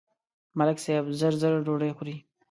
ملک صاحب زر زر ډوډۍ خوري.